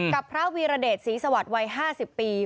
กับพระวีรเดชศรีสวัสดิ์วัย๕๐ปี